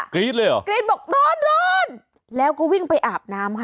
รี๊ดเลยเหรอกรี๊ดบอกร้อนร้อนแล้วก็วิ่งไปอาบน้ำค่ะ